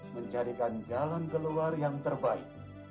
menjadikan jalan keluar yang terbaik